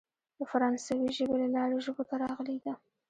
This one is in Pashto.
د فرانسوۍ ژبې له لارې ژبو ته راغلې ده.